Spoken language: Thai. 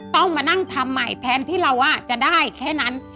ต้องมานั่งทำใหม่แทนที่เราจะได้แค่นั้น